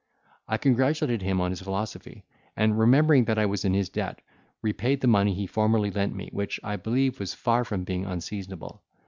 I congratulated him on his philosophy, and, remembering that I was in his debt, repaid the money he formerly lent me, which, I believe, was far from being unseasonable.